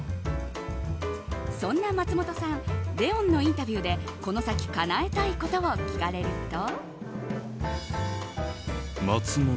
そんな松本さん「ＬＥＯＮ」のインタビューでこの先かなえたいことを聞かれると。